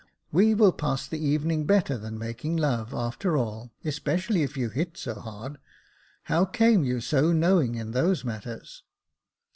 " We will pass the evening better than making love, after all, especially if you hit so hard. How came you so knowing in those matters